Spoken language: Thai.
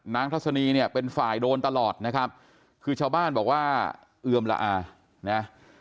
ทัศนีเนี่ยเป็นฝ่ายโดนตลอดนะครับคือชาวบ้านบอกว่าเอือมละอานะ